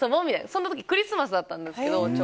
その時、ちょうどクリスマスだったんですけど。